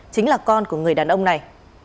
chính là con của người đàn ông này